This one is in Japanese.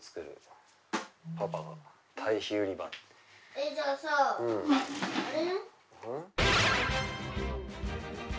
えじゃあさあれ？